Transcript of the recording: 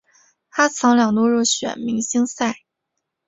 他曾两度入选明星赛。